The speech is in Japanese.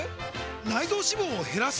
内臓脂肪を減らす！？